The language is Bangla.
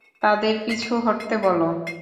তাদের পিছু হটতে বলো!